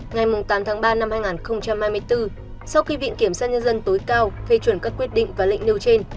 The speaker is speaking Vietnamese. ngày tám tháng ba năm hai nghìn hai mươi bốn sau khi viện kiểm sát nhân dân tối cao phê chuẩn các quyết định và lệnh nêu trên